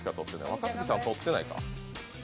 若槻さん取ってないか。